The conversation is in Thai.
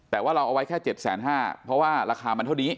แต่ว่าเราเอาไว้แค่๗๕๐๐บาทเพราะว่าราคามันเท่านี้